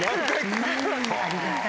うんありがたい。